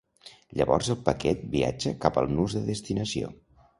Llavors el paquet viatja cap al nus de destinació.